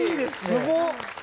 すごっ。